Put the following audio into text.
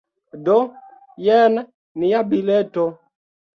Do, jen nia bileto.